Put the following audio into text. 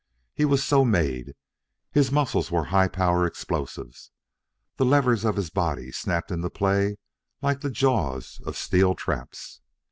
He was so made, his muscles were high power explosives. The levers of his body snapped into play like the jaws of steel traps.